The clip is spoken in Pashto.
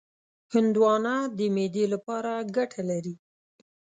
هندوانه د معدې لپاره ګټه لري.